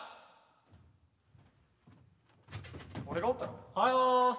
俺がおったら？はよっす。